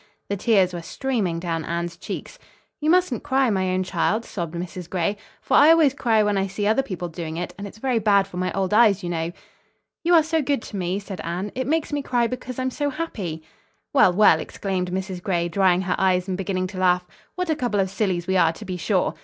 The tears were streaming down Anne's cheeks. "You mustn't cry, my own child," sobbed Mrs. Gray. "For I always cry when I see other people doing it, and it's very bad for my old eyes, you know." "You are so good to me!" said Anne. "It makes me cry because I'm so happy." "Well, well!" exclaimed Mrs. Gray, drying her eyes and beginning to laugh. "What a couple of sillies we are, to be sure.